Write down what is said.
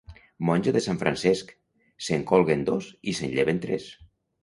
Monja de sant Francesc, se'n colguen dos i se'n lleven tres.